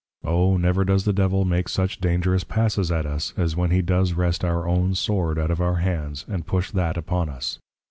O never does the Devil make such dangerous Passes at us, as when he does wrest our own Sword out of our Hands, and push That upon us.